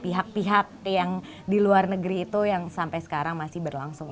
jadi kita harus mengingatkan kepada pihak pihak yang di luar negeri itu yang sampai sekarang masih berlangsung